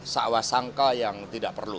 seawasangka yang tidak perlu